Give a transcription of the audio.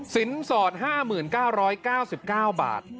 สินสอด๕๙๙บาท